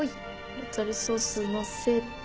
タルタルソースのせて。